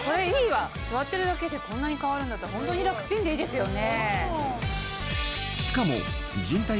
座ってるだけでこんなに変わるんだったらホントに楽ちんでいいですよね。